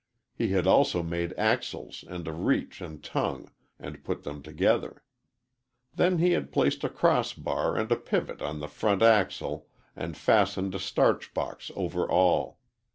He had also made axles and a reach and tongue, and put them together. Then he had placed a cross bar and a pivot on the front axle and fastened a starch box over all.